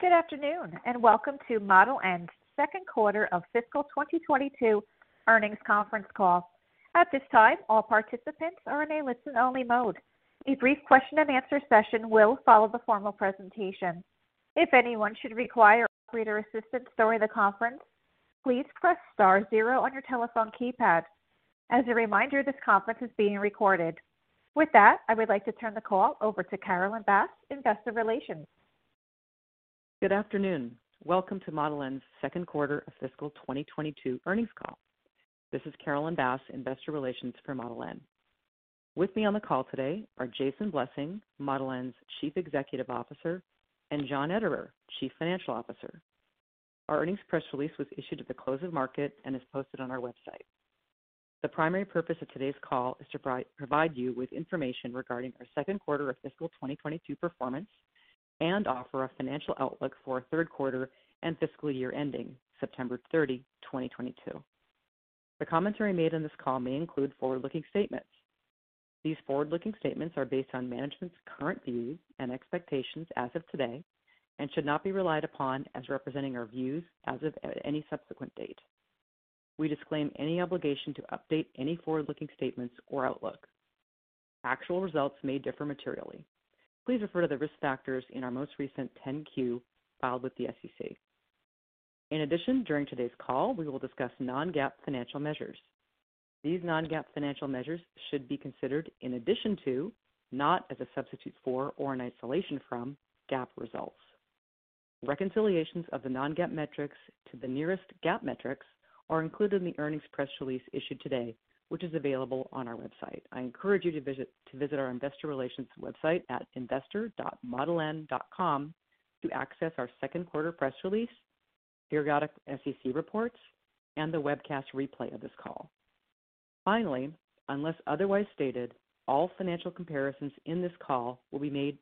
Good afternoon, and welcome to Model N's second quarter of fiscal 2022 earnings conference call. At this time, all participants are in a listen-only mode. A brief question and answer session will follow the formal presentation. If anyone should require operator assistance during the conference, please press star zero on your telephone keypad. As a reminder, this conference is being recorded. With that, I would like to turn the call over to Carolyn Bass, Investor Relations. Good afternoon. Welcome to Model N's second quarter of fiscal 2022 earnings call. This is Carolyn Bass, Investor Relations for Model N. With me on the call today are Jason Blessing, Model N's Chief Executive Officer, and John Ederer, Chief Financial Officer. Our earnings press release was issued at the close of market and is posted on our website. The primary purpose of today's call is to provide you with information regarding our second quarter of fiscal 2022 performance and offer a financial outlook for our third quarter and fiscal year ending September 30, 2022. The commentary made on this call may include forward-looking statements. These forward-looking statements are based on management's current views and expectations as of today and should not be relied upon as representing our views as of any subsequent date. We disclaim any obligation to update any forward-looking statements or outlook. Actual results may differ materially. Please refer to the risk factors in our most recent 10-Q filed with the SEC. In addition, during today's call, we will discuss non-GAAP financial measures. These non-GAAP financial measures should be considered in addition to, not as a substitute for or an isolation from, GAAP results. Reconciliations of the non-GAAP metrics to the nearest GAAP metrics are included in the earnings press release issued today, which is available on our website. I encourage you to visit our investor relations website at investor dot Model N dot com to access our second quarter press release, periodic SEC reports, and the webcast replay of this call. Finally, unless otherwise stated, all financial comparisons in this call will be made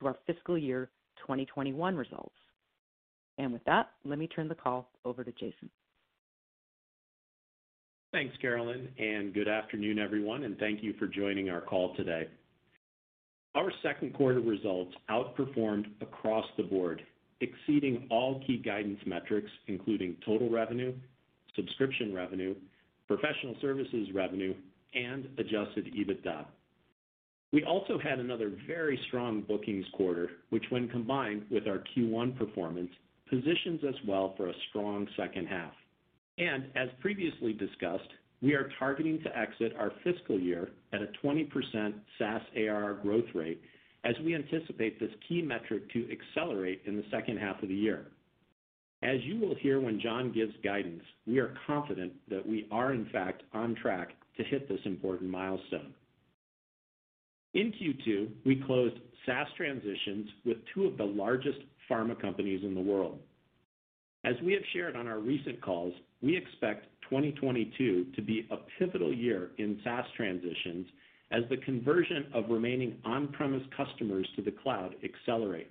to our fiscal year 2021 results. With that, let me turn the call over to Jason. Thanks, Carolyn, and good afternoon, everyone, and thank you for joining our call today. Our second quarter results outperformed across the board, exceeding all key guidance metrics, including total revenue, subscription revenue, professional services revenue, and adjusted EBITDA. We also had another very strong bookings quarter, which when combined with our Q1 performance, positions us well for a strong second half. As previously discussed, we are targeting to exit our fiscal year at a 20% SaaS ARR growth rate as we anticipate this key metric to accelerate in the second half of the year. As you will hear when John gives guidance, we are confident that we are in fact on track to hit this important milestone. In Q2, we closed SaaS transitions with two of the largest pharma companies in the world. As we have shared on our recent calls, we expect 2022 to be a pivotal year in SaaS transitions as the conversion of remaining on-premise customers to the cloud accelerates.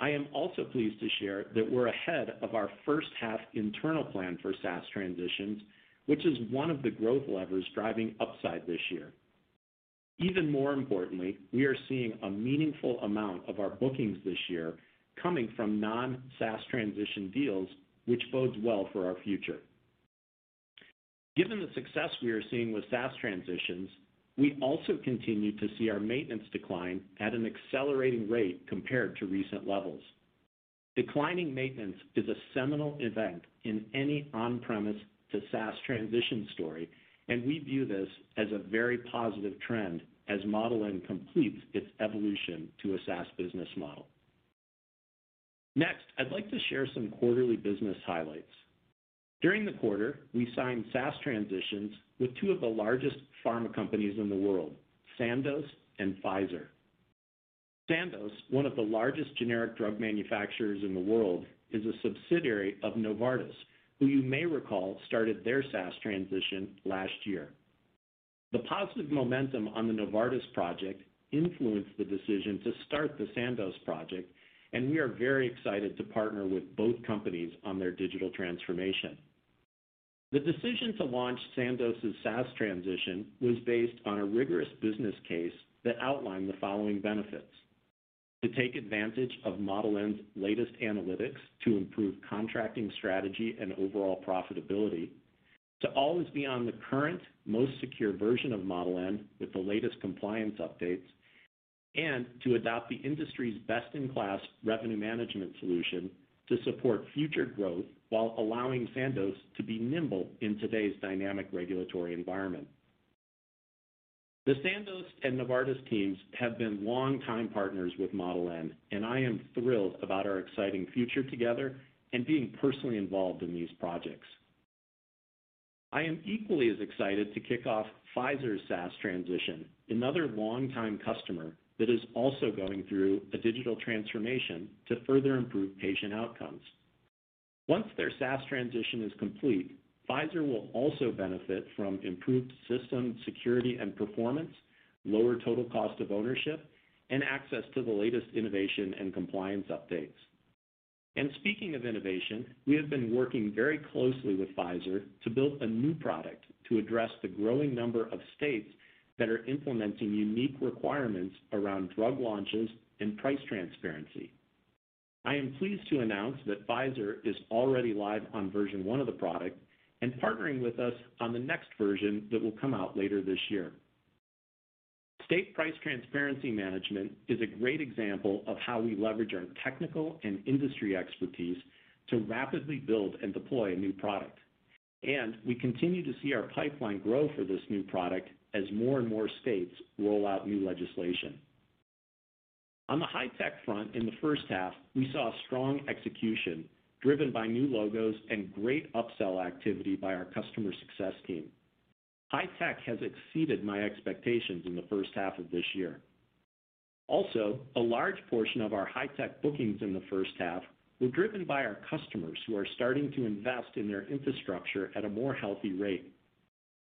I am also pleased to share that we're ahead of our first half internal plan for SaaS transitions, which is one of the growth levers driving upside this year. Even more importantly, we are seeing a meaningful amount of our bookings this year coming from non-SaaS transition deals, which bodes well for our future. Given the success we are seeing with SaaS transitions, we also continue to see our maintenance decline at an accelerating rate compared to recent levels. Declining maintenance is a seminal event in any on-premise to SaaS transition story, and we view this as a very positive trend as Model N completes its evolution to a SaaS business model. Next, I'd like to share some quarterly business highlights. During the quarter, we signed SaaS transitions with two of the largest pharma companies in the world, Sandoz and Pfizer. Sandoz, one of the largest generic drug manufacturers in the world, is a subsidiary of Novartis, who you may recall started their SaaS transition last year. The positive momentum on the Novartis project influenced the decision to start the Sandoz project, and we are very excited to partner with both companies on their digital transformation. The decision to launch Sandoz's SaaS transition was based on a rigorous business case that outlined the following benefits. To take advantage of Model N's latest analytics to improve contracting strategy and overall profitability, to always be on the current, most secure version of Model N with the latest compliance updates, and to adopt the industry's best-in-class revenue management solution to support future growth while allowing Sandoz to be nimble in today's dynamic regulatory environment. The Sandoz and Novartis teams have been longtime partners with Model N, and I am thrilled about our exciting future together and being personally involved in these projects. I am equally as excited to kick off Pfizer's SaaS transition, another longtime customer that is also going through a digital transformation to further improve patient outcomes. Once their SaaS transition is complete, Pfizer will also benefit from improved system security and performance, lower total cost of ownership, and access to the latest innovation and compliance updates. Speaking of innovation, we have been working very closely with Pfizer to build a new product to address the growing number of states that are implementing unique requirements around drug launches and price transparency. I am pleased to announce that Pfizer is already live on version one of the product and partnering with us on the next version that will come out later this year. State Price Transparency Management is a great example of how we leverage our technical and industry expertise to rapidly build and deploy a new product, and we continue to see our pipeline grow for this new product as more and more states roll out new legislation. On the high-tech front, in the first half, we saw strong execution driven by new logos and great upsell activity by our customer success team. High tech has exceeded my expectations in the first half of this year. Also, a large portion of our high-tech bookings in the first half were driven by our customers who are starting to invest in their infrastructure at a more healthy rate.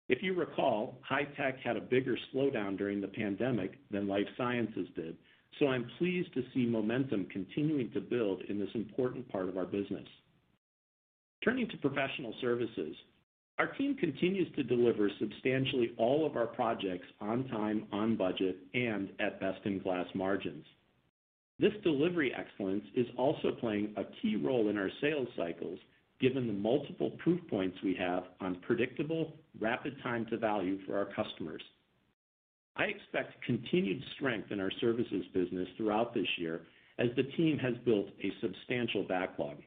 If you recall, high tech had a bigger slowdown during the pandemic than life sciences did, so I'm pleased to see momentum continuing to build in this important part of our business. Turning to professional services, our team continues to deliver substantially all of our projects on time, on budget, and at best-in-class margins. This delivery excellence is also playing a key role in our sales cycles, given the multiple proof points we have on predictable, rapid time to value for our customers. I expect continued strength in our services business throughout this year as the team has built a substantial backlog.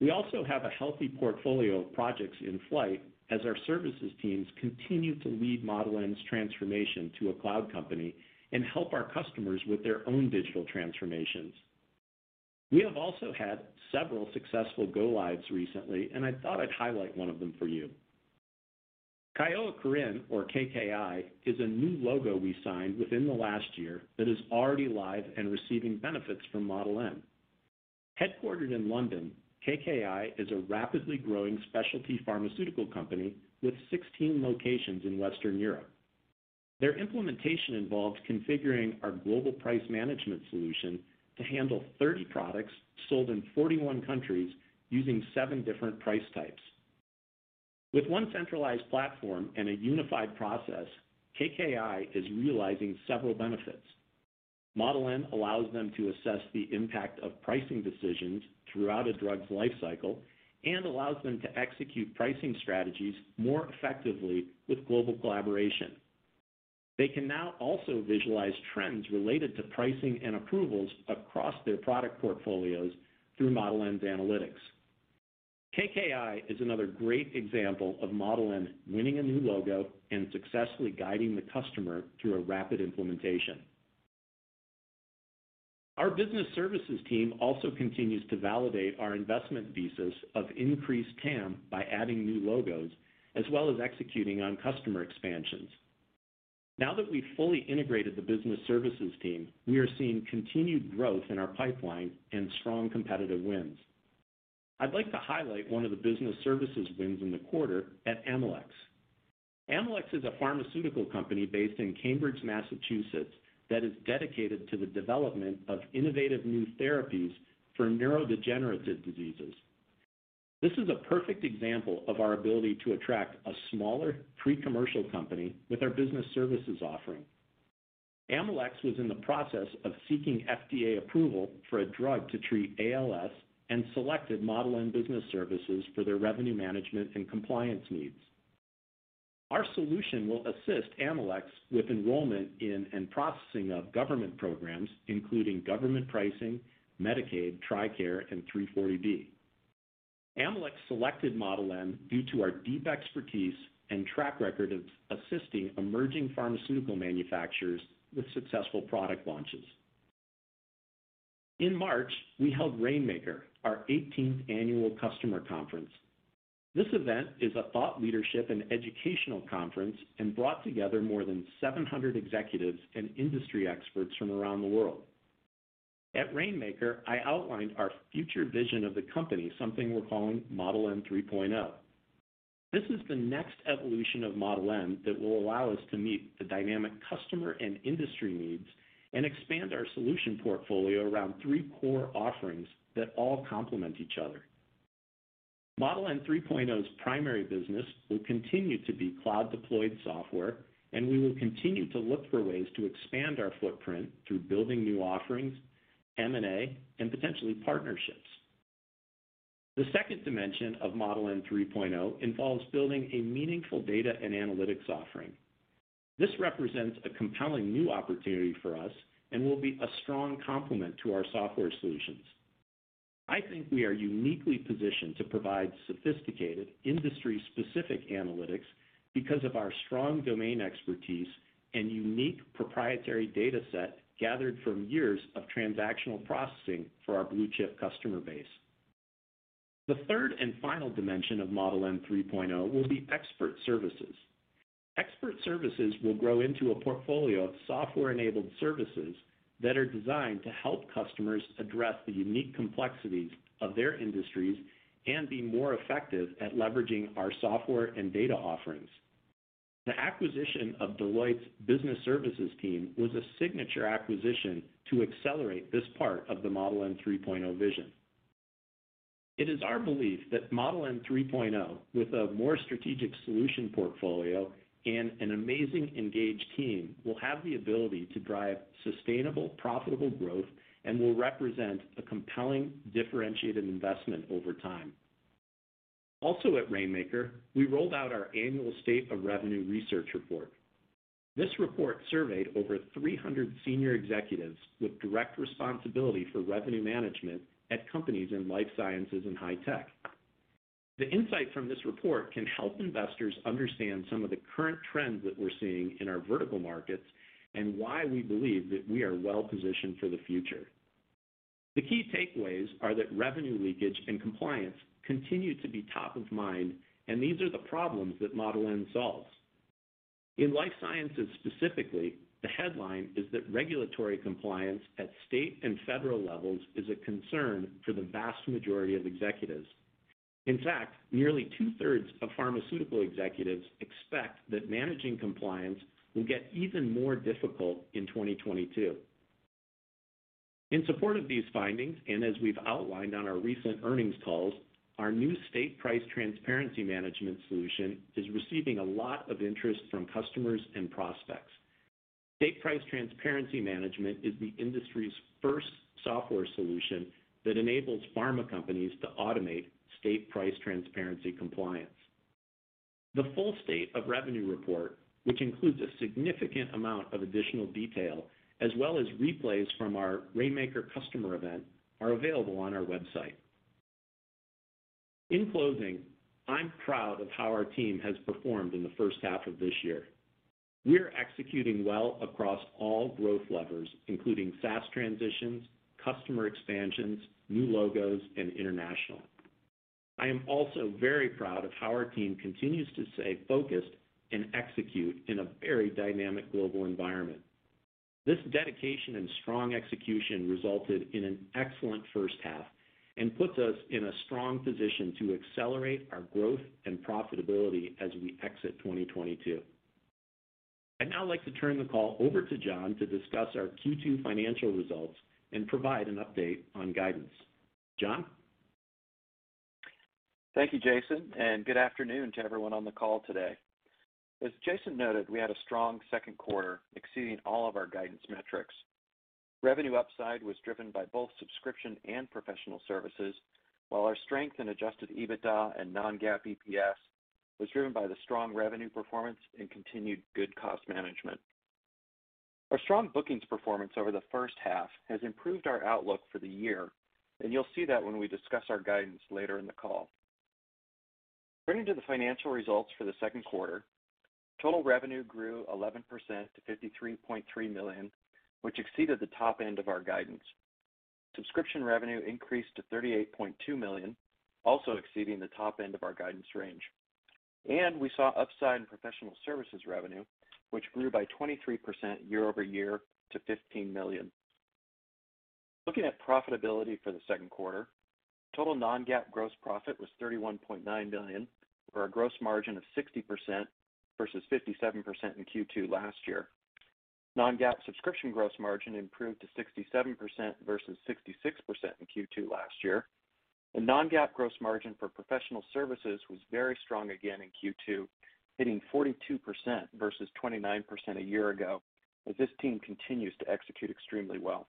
We also have a healthy portfolio of projects in flight as our services teams continue to lead Model N's transformation to a cloud company and help our customers with their own digital transformations. We have also had several successful go-lives recently, and I thought I'd highlight one of them for you. Kyowa Kirin, or KKI, is a new logo we signed within the last year that is already live and receiving benefits from Model N. Headquartered in London, KKI is a rapidly growing specialty pharmaceutical company with 16 locations in Western Europe. Their implementation involves configuring our global price management solution to handle 30 products sold in 41 countries using seven different price types. With one centralized platform and a unified process, KKI is realizing several benefits. Model N allows them to assess the impact of pricing decisions throughout a drug's life cycle and allows them to execute pricing strategies more effectively with global collaboration. They can now also visualize trends related to pricing and approvals across their product portfolios through Model N's analytics. KKI is another great example of Model N winning a new logo and successfully guiding the customer through a rapid implementation. Our business services team also continues to validate our investment thesis of increased TAM by adding new logos as well as executing on customer expansions. Now that we've fully integrated the business services team, we are seeing continued growth in our pipeline and strong competitive wins. I'd like to highlight one of the business services wins in the quarter at Amylyx. Amylyx is a pharmaceutical company based in Cambridge, Massachusetts, that is dedicated to the development of innovative new therapies for neurodegenerative diseases. This is a perfect example of our ability to attract a smaller pre-commercial company with our business services offering. Amylyx was in the process of seeking FDA approval for a drug to treat ALS and selected Model N business services for their revenue management and compliance needs. Our solution will assist Amylyx with enrollment in and processing of government programs, including government pricing, Medicaid, TRICARE, and 340B. Amylyx selected Model N due to our deep expertise and track record of assisting emerging pharmaceutical manufacturers with successful product launches. In March, we held Rainmaker, our eighteenth annual customer conference. This event is a thought leadership and educational conference and brought together more than 700 executives and industry experts from around the world. At Rainmaker, I outlined our future vision of the company, something we're calling Model N 3.0. This is the next evolution of Model N that will allow us to meet the dynamic customer and industry needs and expand our solution portfolio around three core offerings that all complement each other. Model N 3.0's primary business will continue to be cloud-deployed software, and we will continue to look for ways to expand our footprint through building new offerings, M&A, and potentially partnerships. The second dimension of Model N 3.0 involves building a meaningful data and analytics offering. This represents a compelling new opportunity for us and will be a strong complement to our software solutions. I think we are uniquely positioned to provide sophisticated, industry-specific analytics because of our strong domain expertise and unique proprietary data set gathered from years of transactional processing for our blue-chip customer base. The third and final dimension of Model N 3.0 will be expert services. Expert services will grow into a portfolio of software-enabled services that are designed to help customers address the unique complexities of their industries and be more effective at leveraging our software and data offerings. The acquisition of Deloitte's business services team was a signature acquisition to accelerate this part of the Model N 3.0 vision. It is our belief that Model N 3.0, with a more strategic solution portfolio and an amazing engaged team, will have the ability to drive sustainable, profitable growth and will represent a compelling differentiated investment over time. Also at Rainmaker, we rolled out our annual State of Revenue research report. This report surveyed over 300 senior executives with direct responsibility for revenue management at companies in life sciences and high tech. The insight from this report can help investors understand some of the current trends that we're seeing in our vertical markets and why we believe that we are well-positioned for the future. The key takeaways are that revenue leakage and compliance continue to be top of mind, and these are the problems that Model N solves. In life sciences specifically, the headline is that regulatory compliance at state and federal levels is a concern for the vast majority of executives. In fact, nearly 2/3 of pharmaceutical executives expect that managing compliance will get even more difficult in 2022. In support of these findings, and as we've outlined on our recent earnings calls, our new State Price Transparency Management solution is receiving a lot of interest from customers and prospects. State Price Transparency Management is the industry's first software solution that enables pharma companies to automate state price transparency compliance. The full State of Revenue report, which includes a significant amount of additional detail, as well as replays from our Rainmaker customer event, are available on our website. In closing, I'm proud of how our team has performed in the first half of this year. We are executing well across all growth levers, including SaaS transitions, customer expansions, new logos, and international. I am also very proud of how our team continues to stay focused and execute in a very dynamic global environment. This dedication and strong execution resulted in an excellent first half and puts us in a strong position to accelerate our growth and profitability as we exit 2022. I'd now like to turn the call over to John Ederer to discuss our Q2 financial results and provide an update on guidance. John? Thank you, Jason, and good afternoon to everyone on the call today. As Jason noted, we had a strong second quarter, exceeding all of our guidance metrics. Revenue upside was driven by both subscription and professional services, while our strength in adjusted EBITDA and non-GAAP EPS was driven by the strong revenue performance and continued good cost management. Our strong bookings performance over the first half has improved our outlook for the year, and you'll see that when we discuss our guidance later in the call. Turning to the financial results for the second quarter, total revenue grew 11% to $53.3 million, which exceeded the top end of our guidance. Subscription revenue increased to $38.2 million, also exceeding the top end of our guidance range. We saw upside in professional services revenue, which grew by 23% year-over-year to $15 million. Looking at profitability for the second quarter, total non-GAAP gross profit was $31.9 million, for a gross margin of 60% versus 57% in Q2 last year. Non-GAAP subscription gross margin improved to 67% versus 66% in Q2 last year. The non-GAAP gross margin for professional services was very strong again in Q2, hitting 42% versus 29% a year ago, as this team continues to execute extremely well.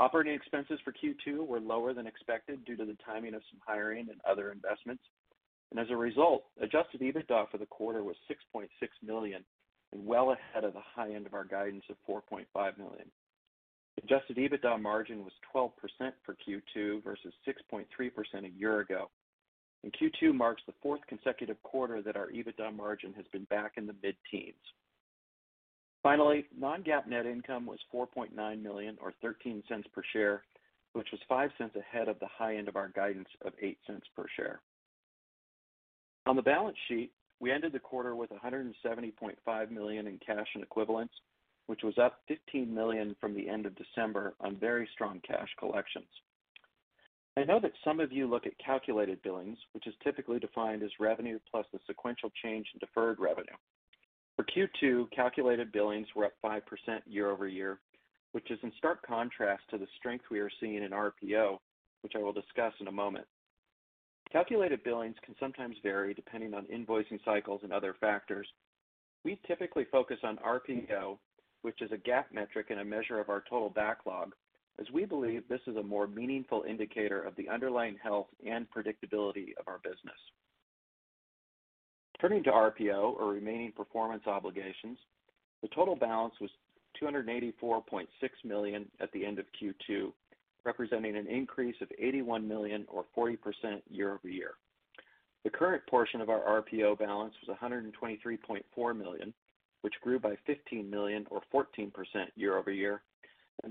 Operating expenses for Q2 were lower than expected due to the timing of some hiring and other investments. As a result, adjusted EBITDA for the quarter was $6.6 million and well ahead of the high end of our guidance of $4.5 million. Adjusted EBITDA margin was 12% for Q2 versus 6.3% a year ago. Q2 marks the fourth consecutive quarter that our EBITDA margin has been back in the mid-teens. Finally, non-GAAP net income was $4.9 million or $0.13 per share, which was $0.05 ahead of the high end of our guidance of $0.08 per share. On the balance sheet, we ended the quarter with $170.5 million in cash and equivalents, which was up $15 million from the end of December on very strong cash collections. I know that some of you look at calculated billings, which is typically defined as revenue plus the sequential change in deferred revenue. For Q2, calculated billings were up 5% year-over-year, which is in stark contrast to the strength we are seeing in RPO, which I will discuss in a moment. Calculated billings can sometimes vary depending on invoicing cycles and other factors. We typically focus on RPO, which is a GAAP metric and a measure of our total backlog, as we believe this is a more meaningful indicator of the underlying health and predictability of our business. Turning to RPO, or remaining performance obligations, the total balance was $284.6 million at the end of Q2, representing an increase of $81 million or 40% year-over-year. The current portion of our RPO balance was $123.4 million, which grew by $15 million or 14% year-over-year.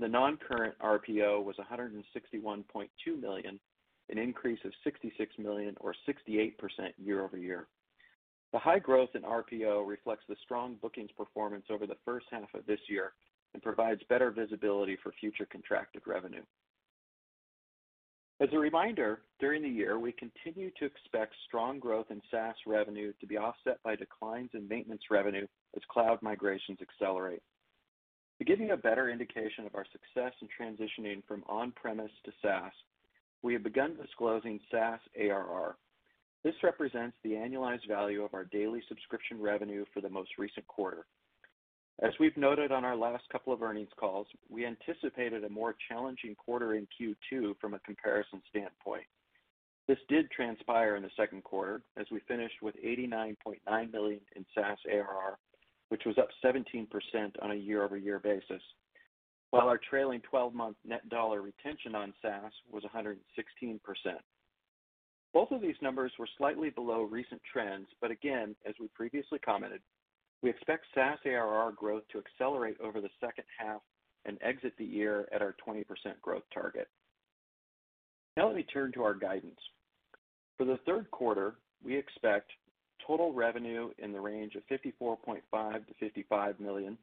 The non-current RPO was $161.2 million, an increase of $66 million or 68% year-over-year. The high growth in RPO reflects the strong bookings performance over the first half of this year and provides better visibility for future contracted revenue. As a reminder, during the year, we continue to expect strong growth in SaaS revenue to be offset by declines in maintenance revenue as cloud migrations accelerate. To give you a better indication of our success in transitioning from on-premise to SaaS, we have begun disclosing SaaS ARR. This represents the annualized value of our daily subscription revenue for the most recent quarter. As we've noted on our last couple of earnings calls, we anticipated a more challenging quarter in Q2 from a comparison standpoint. This did transpire in the second quarter as we finished with $89.9 million in SaaS ARR, which was up 17% on a year-over-year basis, while our trailing 12-month net dollar retention on SaaS was 116%. Both of these numbers were slightly below recent trends, but again, as we previously commented, we expect SaaS ARR growth to accelerate over the second half and exit the year at our 20% growth target. Now let me turn to our guidance. For the third quarter, we expect total revenue in the range of $54.5 million-$55 million,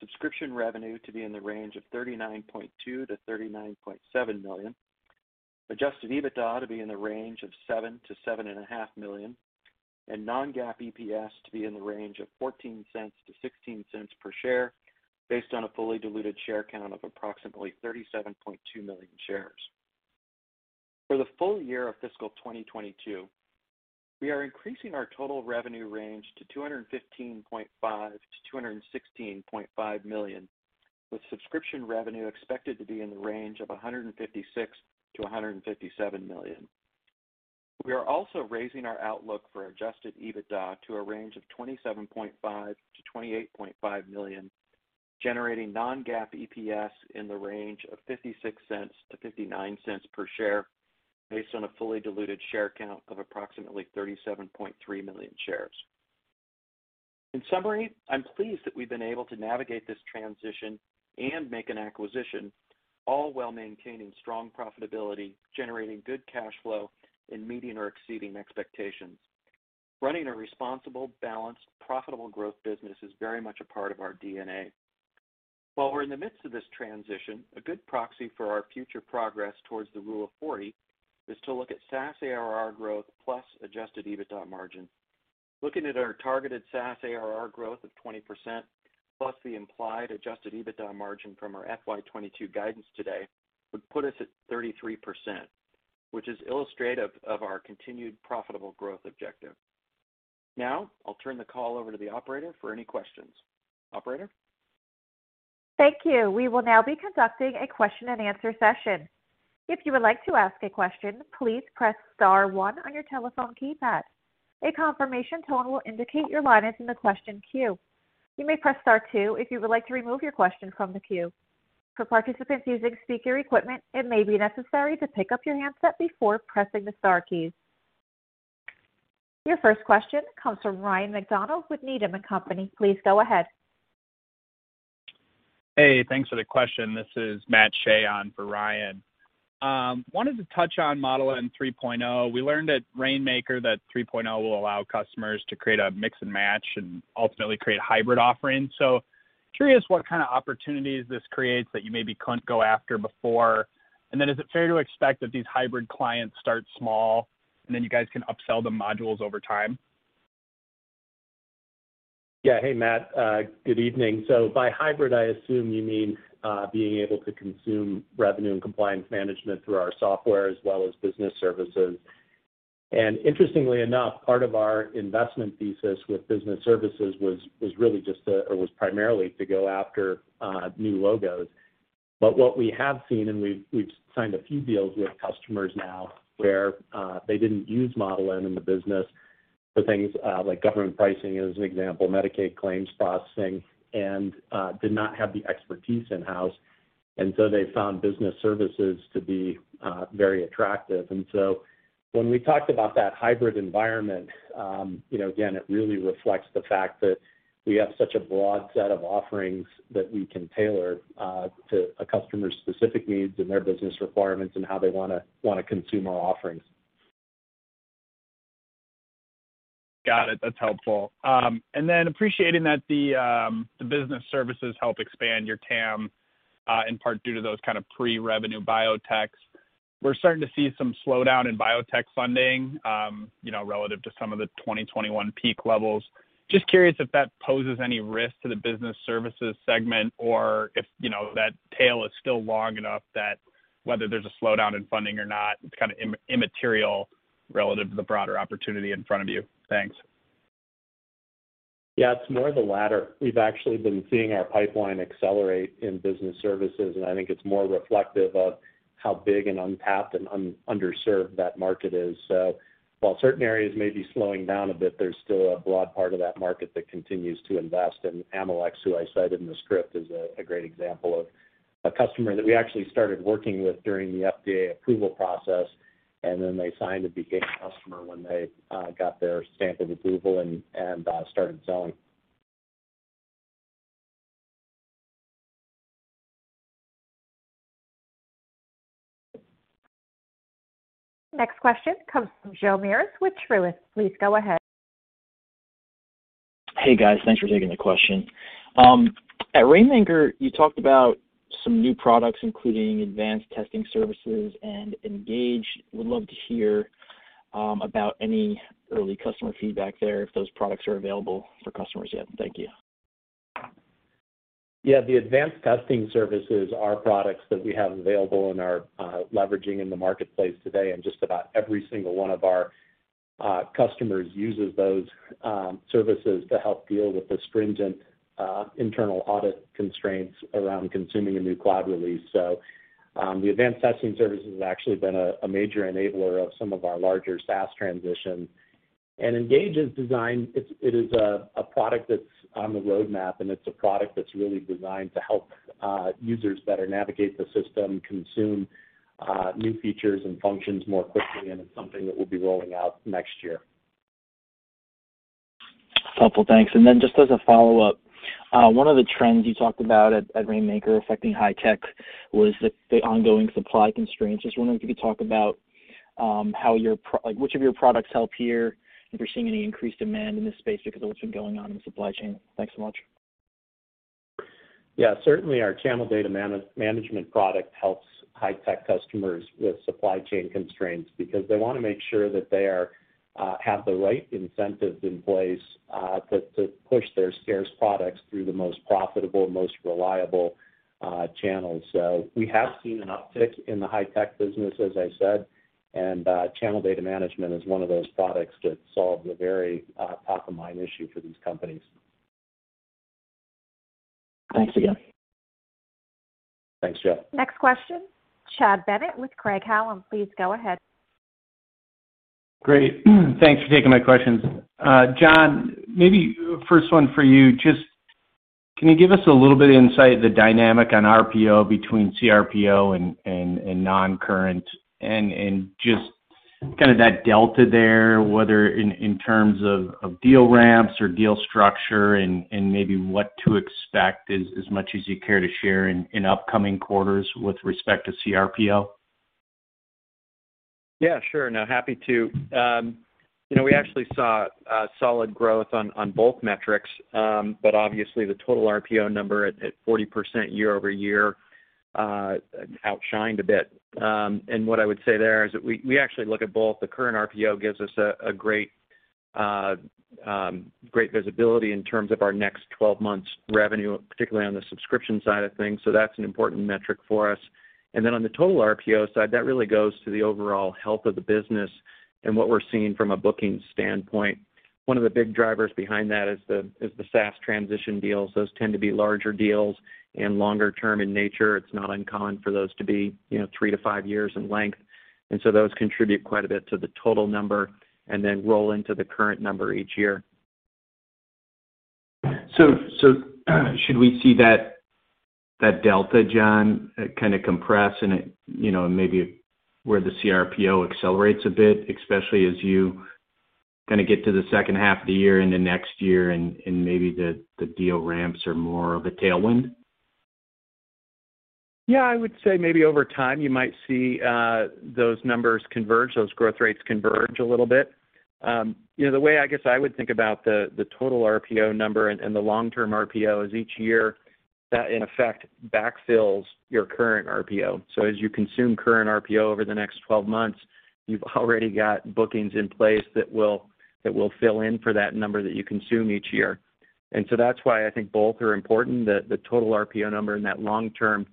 subscription revenue to be in the range of $39.2 million-$39.7 million, adjusted EBITDA to be in the range of $7 million-$7.5 million, and non-GAAP EPS to be in the range of $0.14-$0.16 per share based on a fully diluted share count of approximately 37.2 million shares. For the full year of fiscal 2022, we are increasing our total revenue range to $215.5 million-$216.5 million, with subscription revenue expected to be in the range of $156 million-$157 million. We are also raising our outlook for Adjusted EBITDA to a range of $27.5 million-$28.5 million, generating non-GAAP EPS in the range of $0.56-$0.59 per share based on a fully diluted share count of approximately 37.3 million shares. In summary, I'm pleased that we've been able to navigate this transition and make an acquisition, all while maintaining strong profitability, generating good cash flow, and meeting or exceeding expectations. Running a responsible, balanced, profitable growth business is very much a part of our DNA. While we're in the midst of this transition, a good proxy for our future progress towards the Rule of 40 is to look at SaaS ARR growth plus Adjusted EBITDA margin. Looking at our targeted SaaS ARR growth of 20% plus the implied adjusted EBITDA margin from our FY 2022 guidance today would put us at 33%, which is illustrative of our continued profitable growth objective. Now, I'll turn the call over to the operator for any questions. Operator? Thank you. We will now be conducting a question-and-answer session. If you would like to ask a question, please press star one on your telephone keypad. A confirmation tone will indicate your line is in the question queue. You may press star two if you would like to remove your question from the queue. For participants using speaker equipment, it may be necessary to pick up your handset before pressing the star keys. Your first question comes from Ryan MacDonald with Needham & Company. Please go ahead. Hey, thanks for the question. This is Matt Shea on for Ryan. Wanted to touch on Model N 3.0. We learned at Rainmaker that 3.0 will allow customers to create a mix and match and ultimately create hybrid offerings. So curious what kind of opportunities this creates that you maybe couldn't go after before. Then is it fair to expect that these hybrid clients start small and then you guys can upsell the modules over time? Yeah. Hey, Matt, good evening. By hybrid, I assume you mean being able to consume revenue and compliance management through our software as well as business services. Interestingly enough, part of our investment thesis with business services was primarily to go after new logos. What we have seen, we've signed a few deals with customers now where they didn't use Model N in the business for things like government pricing, as an example, Medicaid claims processing, and did not have the expertise in-house. They found business services to be very attractive. When we talked about that hybrid environment, you know, again, it really reflects the fact that we have such a broad set of offerings that we can tailor to a customer's specific needs and their business requirements and how they wanna consume our offerings. Got it. That's helpful. Appreciating that the business services help expand your TAM, in part due to those kind of pre-revenue biotechs. We're starting to see some slowdown in biotech funding, you know, relative to some of the 2021 peak levels. Just curious if that poses any risk to the business services segment or if, you know, that tail is still long enough that whether there's a slowdown in funding or not, it's kind of immaterial relative to the broader opportunity in front of you. Thanks. Yeah, it's more the latter. We've actually been seeing our pipeline accelerate in business services, and I think it's more reflective of how big and untapped and un-underserved that market is. While certain areas may be slowing down a bit, there's still a broad part of that market that continues to invest. Amylyx, who I cited in the script, is a great example of a customer that we actually started working with during the FDA approval process, and then they signed to become a customer when they got their stamp of approval and started selling. Next question comes from Joe Mirus with Truist. Please go ahead. Hey, guys. Thanks for taking the question. At Rainmaker, you talked about some new products, including advanced testing services and ngage. Would love to hear about any early customer feedback there if those products are available for customers yet. Thank you. Yeah. The advanced testing services are products that we have available and are leveraging in the marketplace today, and just about every single one of our customers uses those services to help deal with the stringent internal audit constraints around consuming a new cloud release. The advanced testing services have actually been a major enabler of some of our larger SaaS transitions. Ngage is designed. It's a product that's on the roadmap, and it's a product that's really designed to help users better navigate the system, consume new features and functions more quickly, and it's something that we'll be rolling out next year. Helpful. Thanks. Just as a follow-up, one of the trends you talked about at Rainmaker affecting high tech was the ongoing supply constraints. Just wondering if you could talk about how, like, which of your products help here, if you're seeing any increased demand in this space because of what's been going on in the supply chain? Thanks so much. Yeah. Certainly our Channel Data Management product helps high tech customers with supply chain constraints because they wanna make sure that they have the right incentives in place to push their scarce products through the most profitable, most reliable channels. We have seen an uptick in the high tech business, as I said, and Channel Data Management is one of those products that solve the very top of mind issue for these companies. Thanks again. Thanks, Jeff. Next question, Chad Bennett with Craig-Hallum. Please go ahead. Great. Thanks for taking my questions. John, maybe first one for you, just can you give us a little bit of insight of the dynamic on RPO between CRPO and non-current and just kind of that delta there, whether in terms of deal ramps or deal structure and maybe what to expect as much as you care to share in upcoming quarters with respect to CRPO? Yeah, sure. No, happy to. You know, we actually saw solid growth on both metrics, but obviously the total RPO number at 40% year-over-year outshined a bit. What I would say there is that we actually look at both. The current RPO gives us a great visibility in terms of our next 12 months revenue, particularly on the subscription side of things. So that's an important metric for us. Then on the total RPO side, that really goes to the overall health of the business and what we're seeing from a booking standpoint. One of the big drivers behind that is the SaaS transition deals. Those tend to be larger deals and longer term in nature. It's not uncommon for those to be, you know, three-five years in length. Those contribute quite a bit to the total number and then roll into the current number each year. Should we see that delta, John, kind of compress and it, you know, maybe where the CRPO accelerates a bit, especially as you kinda get to the second half of the year into next year and maybe the deal ramps are more of a tailwind? Yeah, I would say maybe over time, you might see those numbers converge, those growth rates converge a little bit. You know, the way I guess I would think about the total RPO number and the long-term RPO is each year, that in effect backfills your current RPO. So as you consume current RPO over the next 12 months, you've already got bookings in place that will fill in for that number that you consume each year. That's why I think both are important, the total RPO number and that long-term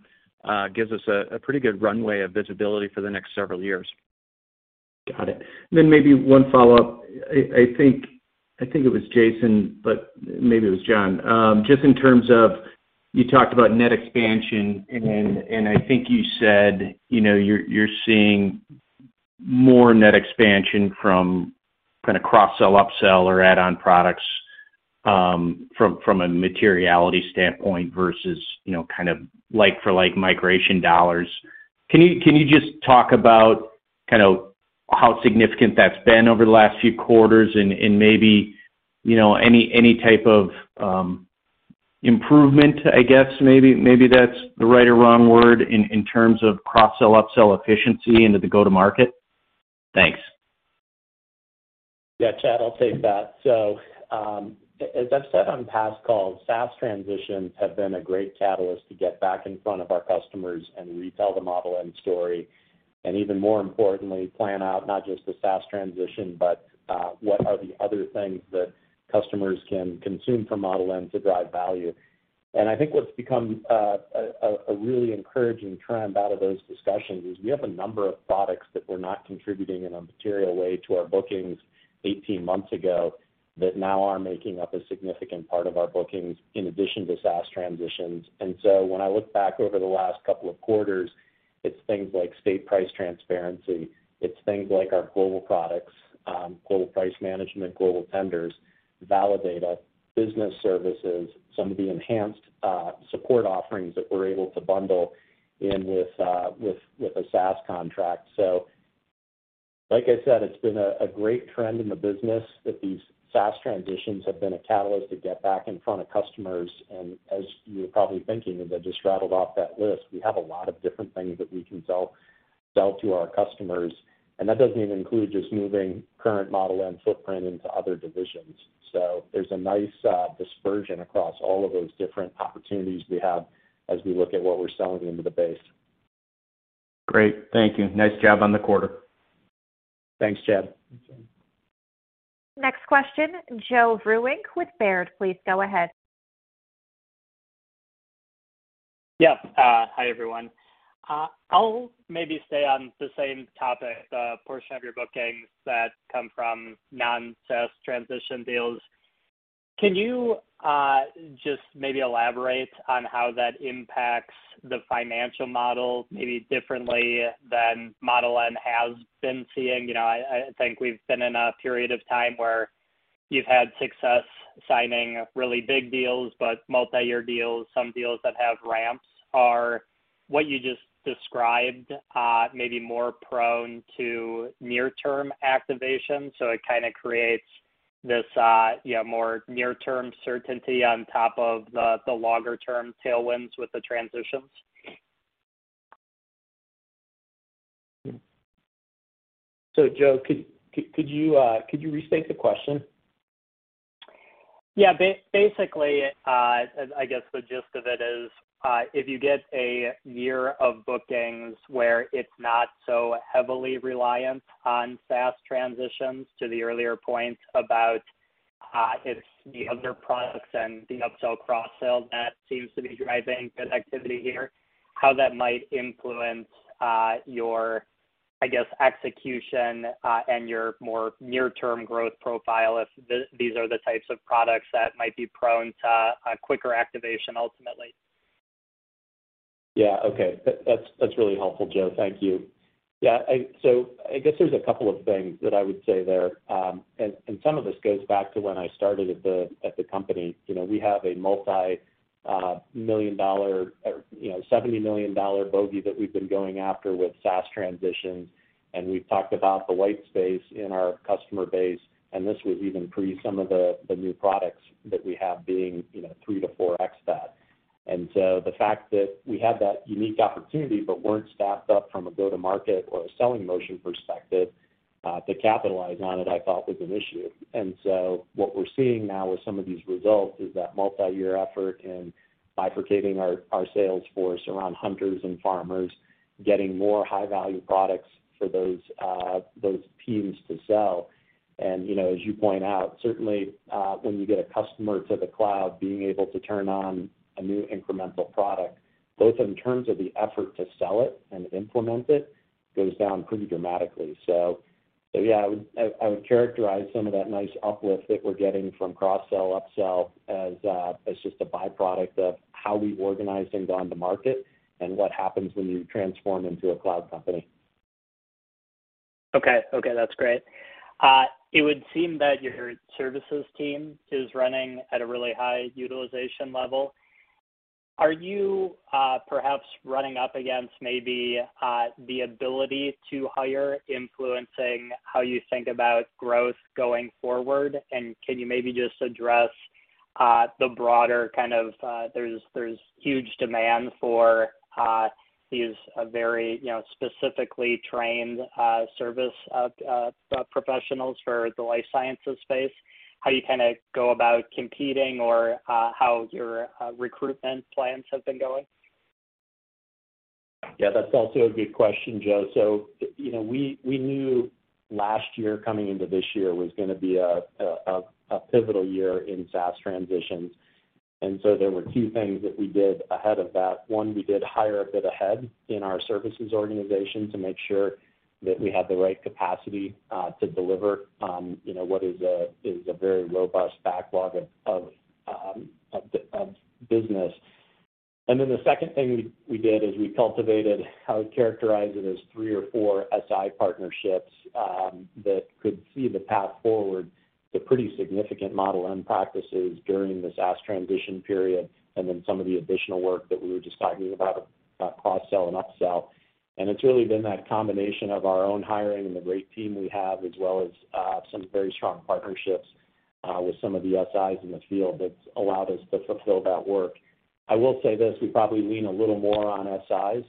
gives us a pretty good runway of visibility for the next several years. Got it. Maybe one follow-up. I think it was Jason, but maybe it was John. Just in terms of, you talked about net expansion, and I think you said, you know, you're seeing more net expansion from kinda cross-sell, up-sell or add-on products, from a materiality standpoint versus, you know, kind of like for like migration dollars. Can you just talk about kind of how significant that's been over the last few quarters and maybe, you know, any type of improvement, I guess, maybe that's the right or wrong word in terms of cross-sell, up-sell efficiency into the go-to-market? Thanks. Yeah, Chad, I'll take that. As I've said on past calls, SaaS transitions have been a great catalyst to get back in front of our customers and retell the Model N story, and even more importantly, plan out not just the SaaS transition, but what are the other things that customers can consume from Model N to drive value. I think what's become a really encouraging trend out of those discussions is we have a number of products that were not contributing in a material way to our bookings 18 months ago that now are making up a significant part of our bookings in addition to SaaS transitions. When I look back over the last couple of quarters, it's things like State Price Transparency. It's things like our global products, Global Pricing Management, Global Tender Management, Validata, business services, some of the enhanced support offerings that we're able to bundle in with a SaaS contract. Like I said, it's been a great trend in the business that these SaaS transitions have been a catalyst to get back in front of customers. As you're probably thinking as I just rattled off that list, we have a lot of different things that we can sell to our customers, and that doesn't even include just moving current Model N footprint into other divisions. There's a nice dispersion across all of those different opportunities we have as we look at what we're selling into the base. Great. Thank you. Nice job on the quarter. Thanks, Chad. Next question, Joe Vruwink with Baird. Please go ahead. Yes. Hi, everyone. I'll maybe stay on the same topic, the portion of your bookings that come from non-SaaS transition deals. Can you just maybe elaborate on how that impacts the financial model maybe differently than Model N has been seeing? You know, I think we've been in a period of time where you've had success signing really big deals, but multi-year deals, some deals that have ramps. Are what you just described maybe more prone to near-term activation, so it kinda creates this, you know, more near-term certainty on top of the longer-term tailwinds with the transitions? Joe, could you restate the question? Yeah. Basically, I guess the gist of it is, if you get a year of bookings where it's not so heavily reliant on SaaS transitions to the earlier point about, it's the other products and the upsell, cross-sell that seems to be driving good activity here, how that might influence your, I guess, execution and your more near-term growth profile if these are the types of products that might be prone to a quicker activation ultimately. Yeah. Okay. That's really helpful, Joe. Thank you. Yeah, I guess there's a couple of things that I would say there, and some of this goes back to when I started at the company. You know, we have a multi-million dollar or, you know, $70 million bogey that we've been going after with SaaS transitions, and we've talked about the white space in our customer base, and this was even pre some of the new products that we have being, you know, 3-4x that. The fact that we had that unique opportunity but weren't staffed up from a go-to-market or a selling motion perspective to capitalize on it, I thought was an issue. What we're seeing now with some of these results is that multi-year effort in bifurcating our sales force around hunters and farmers, getting more high-value products for those teams to sell. You know, as you point out, certainly, when you get a customer to the cloud, being able to turn on a new incremental product, both in terms of the effort to sell it and implement it, goes down pretty dramatically. Yeah, I would characterize some of that nice uplift that we're getting from cross-sell, upsell as just a by-product of how we organize and go on the market and what happens when you transform into a cloud company. Okay. Okay, that's great. It would seem that your services team is running at a really high utilization level. Are you perhaps running up against maybe the ability to hire, influencing how you think about growth going forward? Can you maybe just address the broader kind of, there's huge demand for these very, you know, specifically trained services professionals for the life sciences space, how you kinda go about competing or how your recruitment plans have been going? Yeah, that's also a good question, Joe. You know, we knew last year coming into this year was gonna be a pivotal year in SaaS transitions. There were two things that we did ahead of that. One, we did hire a bit ahead in our services organization to make sure that we had the right capacity to deliver you know what is a very robust backlog of business. The second thing we did is we cultivated, I would characterize it as three or four SI partnerships that could see the path forward to pretty significant Model N practices during the SaaS transition period and then some of the additional work that we were just talking about, cross-sell and upsell. It's really been that combination of our own hiring and the great team we have, as well as some very strong partnerships with some of the SIs in the field that's allowed us to fulfill that work. I will say this, we probably lean a little more on SIs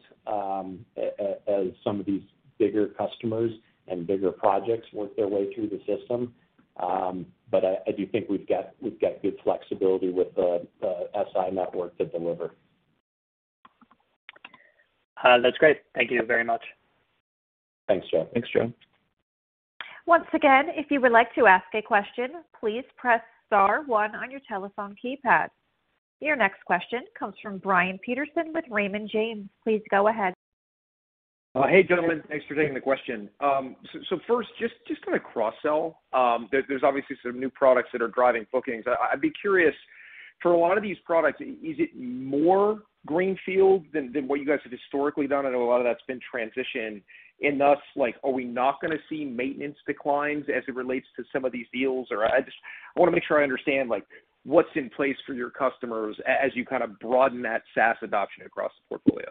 as some of these bigger customers and bigger projects work their way through the system. I do think we've got good flexibility with the SI network to deliver. That's great. Thank you very much. Thanks, Joe. Thanks, Joe. Once again, if you would like to ask a question, please press star one on your telephone keypad. Your next question comes from Brian Peterson with Raymond James. Please go ahead. Hey, gentlemen. Thanks for taking the question. So first, just on a cross-sell, there's obviously some new products that are driving bookings. I'd be curious, for a lot of these products, is it more greenfield than what you guys have historically done? I know a lot of that's been transitional. Or, like, are we not gonna see maintenance declines as it relates to some of these deals? Or I just wanna make sure I understand, like, what's in place for your customers as you kinda broaden that SaaS adoption across the portfolio.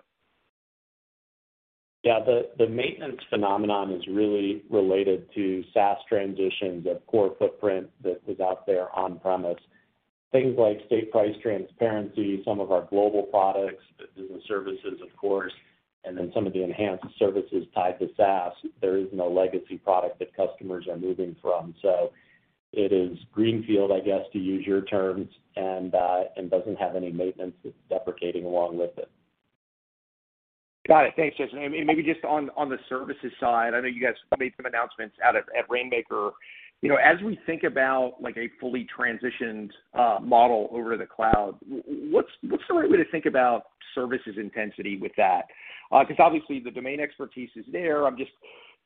Yeah. The maintenance phenomenon is really related to SaaS transitions of core footprint that is out there on premise. Things like state price transparency, some of our global products, the business services, of course, and then some of the enhanced services tied to SaaS, there is no legacy product that customers are moving from. So it is greenfield, I guess, to use your terms, and doesn't have any maintenance that's deprecating along with it. Got it. Thanks, Jason. Maybe just on the services side, I know you guys made some announcements out at Rainmaker. You know, as we think about, like, a fully transitioned model over to the cloud, what's the right way to think about services intensity with that? 'Cause obviously the domain expertise is there. I'm just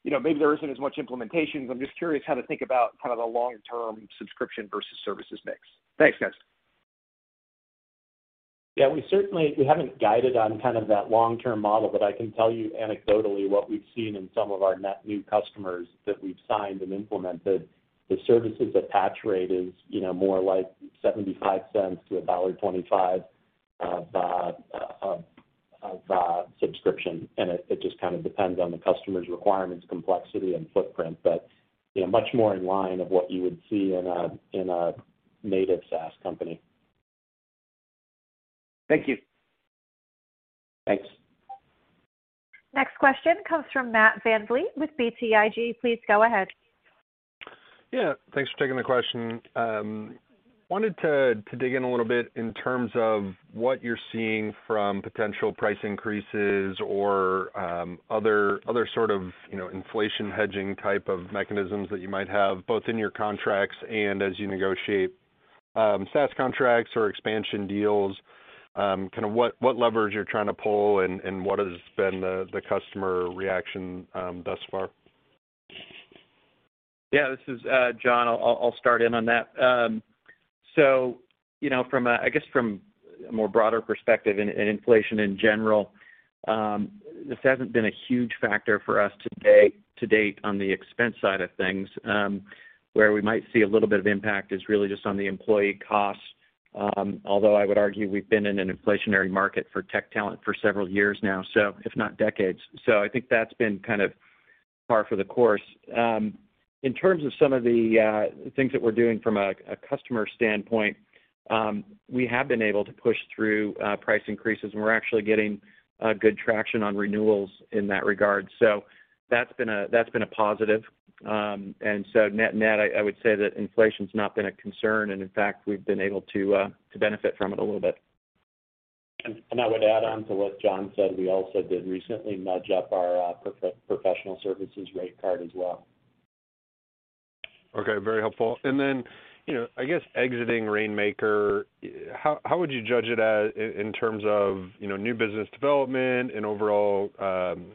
you know, maybe there isn't as much implementation. I'm just curious how to think about kind of the long-term subscription versus services mix. Thanks, guys. Yeah, we certainly haven't guided on kind of that long-term model, but I can tell you anecdotally what we've seen in some of our net new customers that we've signed and implemented. The services attach rate is, you know, more like $0.75-$1.25 of subscription. It just kind of depends on the customer's requirements, complexity, and footprint. You know, much more in line with what you would see in a native SaaS company. Thank you. Thanks. Next question comes from Matt VanVliet with BTIG. Please go ahead. Yeah. Thanks for taking the question. Wanted to dig in a little bit in terms of what you're seeing from potential price increases or other sort of, you know, inflation hedging type of mechanisms that you might have, both in your contracts and as you negotiate SaaS contracts or expansion deals. Kind of what levers you're trying to pull and what has been the customer reaction thus far? Yeah, this is John. I'll start in on that. You know, I guess from a more broader perspective in inflation in general, this hasn't been a huge factor for us to date on the expense side of things. Where we might see a little bit of impact is really just on the employee costs, although I would argue we've been in an inflationary market for tech talent for several years now, so if not decades. I think that's been kind of par for the course. In terms of some of the things that we're doing from a customer standpoint, we have been able to push through price increases, and we're actually getting good traction on renewals in that regard. That's been a positive. Net net, I would say that inflation's not been a concern, and in fact, we've been able to benefit from it a little bit. I would add on to what John said, we also did recently nudge up our professional services rate card as well. Okay, very helpful. You know, I guess exiting Rainmaker, how would you judge it in terms of, you know, new business development and overall,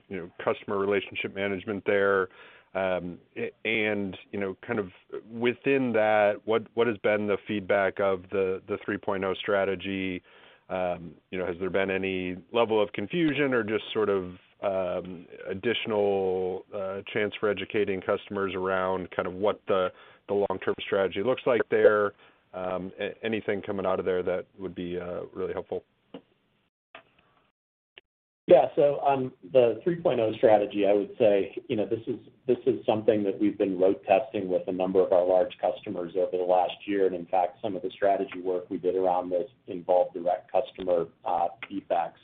you know, customer relationship management there? You know, kind of within that, what has been the feedback of the 3.0 strategy? You know, has there been any level of confusion or just sort of additional chance for educating customers around kind of what the long-term strategy looks like there? Anything coming out of there that would be really helpful. Yeah. On the 3.0 Strategy, I would say, you know, this is something that we've been load testing with a number of our large customers over the last year. In fact, some of the strategy work we did around this involved direct customer feedback.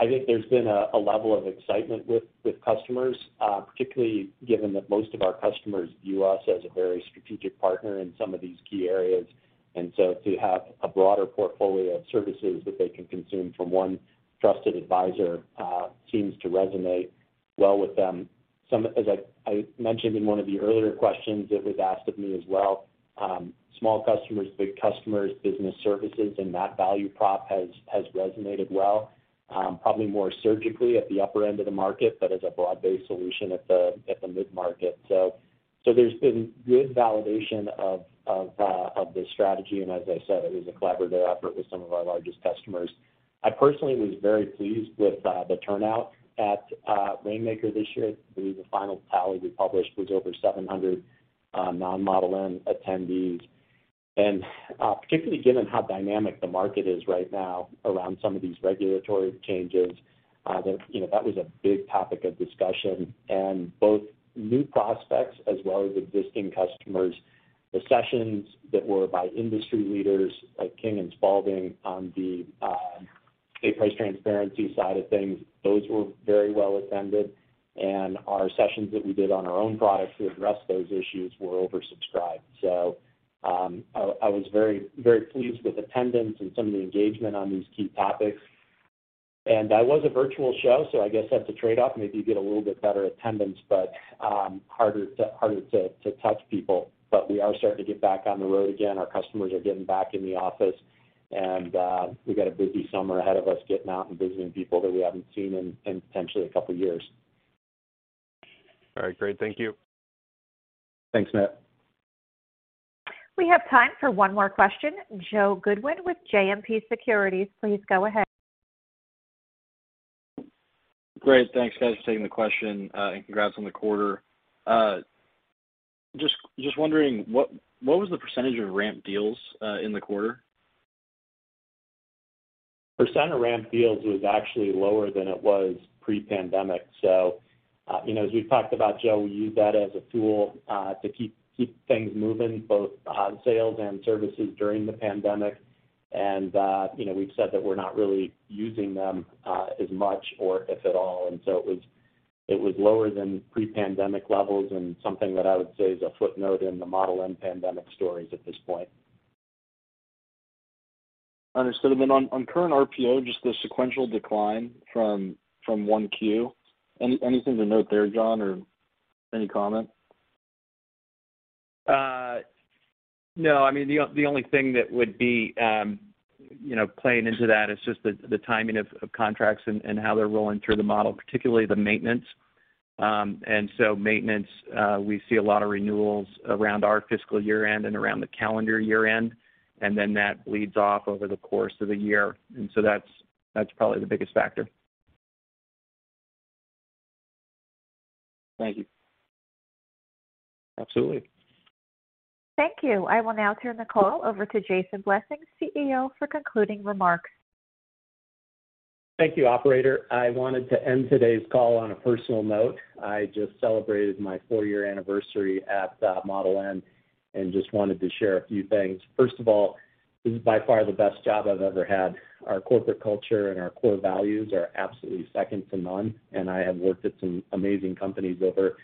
I think there's been a level of excitement with customers, particularly given that most of our customers view us as a very strategic partner in some of these key areas. To have a broader portfolio of services that they can consume from one trusted advisor seems to resonate well with them. Some of... As I mentioned in one of the earlier questions that was asked of me as well, small customers, big customers, business services, and that value prop has resonated well, probably more surgically at the upper end of the market, but as a broad-based solution at the mid-market. There's been good validation of this strategy. As I said, it was a collaborative effort with some of our largest customers. I personally was very pleased with the turnout at Rainmaker this year. I believe the final tally we published was over 700 non-Model N attendees. Particularly given how dynamic the market is right now around some of these regulatory changes, you know, that was a big topic of discussion. Both new prospects as well as existing customers, the sessions that were by industry leaders like King & Spalding on the state price transparency side of things, those were very well attended. Our sessions that we did on our own products to address those issues were oversubscribed. I was very, very pleased with attendance and some of the engagement on these key topics. That was a virtual show, so I guess that's a trade-off. Maybe you get a little bit better attendance, but harder to touch people. We are starting to get back on the road again. Our customers are getting back in the office. We've got a busy summer ahead of us getting out and visiting people that we haven't seen in potentially a couple years. All right. Great. Thank you. Thanks, Matt. We have time for one more question. Joe Goodwin with JMP Securities, please go ahead. Great. Thanks, guys, for taking the question, and congrats on the quarter. Just wondering, what was the percentage of ramp deals in the quarter? Percent of ramp deals was actually lower than it was pre-pandemic. You know, as we've talked about, Joe, we use that as a tool to keep things moving, both on sales and services during the pandemic. You know, we've said that we're not really using them as much or if at all. It was lower than pre-pandemic levels and something that I would say is a footnote in the Model N pandemic stories at this point. Understood. On current RPO, just the sequential decline from one Q. Anything to note there, John, or any comment? No. I mean, the only thing that would be, you know, playing into that is just the timing of contracts and how they're rolling through the model, particularly the maintenance. Maintenance, we see a lot of renewals around our fiscal year-end and around the calendar year-end, and then that bleeds off over the course of the year. That's probably the biggest factor. Thank you. Absolutely. Thank you. I will now turn the call over to Jason Blessing, CEO, for concluding remarks. Thank you, operator. I wanted to end today's call on a personal note. I just celebrated my four-year anniversary at Model N and just wanted to share a few things. First of all, this is by far the best job I've ever had. Our corporate culture and our core values are absolutely second to none, and I have worked at some amazing companies over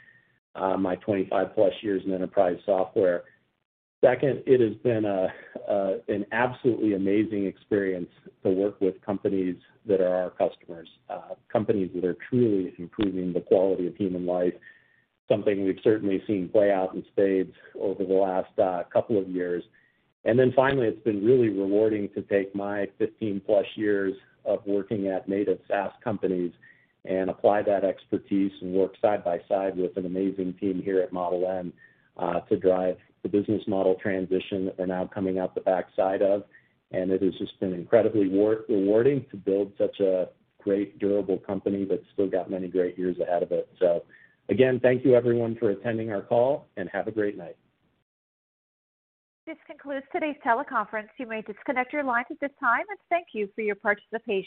my 25+ years in enterprise software. Second, it has been an absolutely amazing experience to work with companies that are our customers, companies that are truly improving the quality of human life, something we've certainly seen play out in spades over the last couple of years. Finally, it's been really rewarding to take my 15+ years of working at native SaaS companies and apply that expertise and work side by side with an amazing team here at Model N, to drive the business model transition that we're now coming out the backside of. It has just been incredibly rewarding to build such a great durable company that's still got many great years ahead of it. Again, thank you everyone for attending our call, and have a great night. This concludes today's teleconference. You may disconnect your lines at this time, and thank you for your participation.